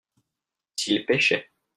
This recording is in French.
s'il pêchait.